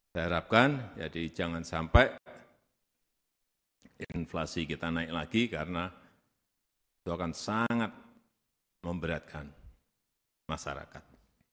saya harapkan jadi jangan sampai inflasi kita naik lagi karena itu akan sangat memberatkan masyarakat